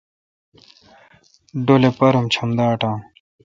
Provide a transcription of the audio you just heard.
ڈولے پیرہ چم دا اٹان۔